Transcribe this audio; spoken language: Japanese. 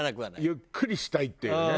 ゆっくりしたいっていうね。